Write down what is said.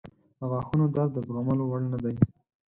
• د غاښونو درد د زغملو وړ نه دی.